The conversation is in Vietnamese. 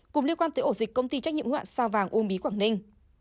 cùng liên quan tới ổ dịch công ty trách nhiệm hữu hạn sao vàng uông bí quảng ninh